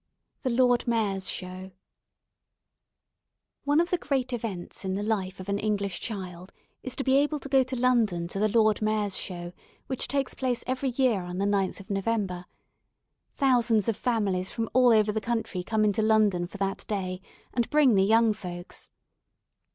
THE LORD MAYOR'S SHOW ONE of the great events in the life of an English child is to be able to go to London to the "Lord Mayor's Show," which takes place every year on the 9th of November. Thousands of families from all over the country come into London for that day, and bring the young folks.